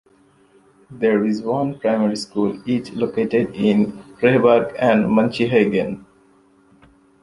There is one primary school each located in Rehburg and Münchehagen.